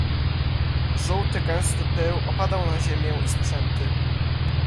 "Żółty gęsty pył opadał na ziemię i sprzęty."